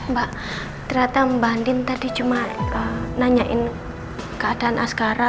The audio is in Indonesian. mbak ternyata mbak andin tadi cuma nanyain keadaan asgara